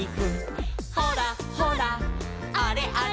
「ほらほらあれあれ」